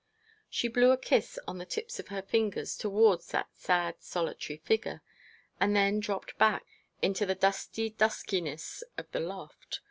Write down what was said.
She blew a kiss on the tips of her fingers towards that sad solitary figure, and then dropped back into the dusty duskiness of the loft.